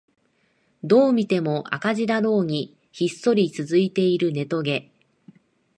どう見ても赤字だろうにひっそり続いているネトゲ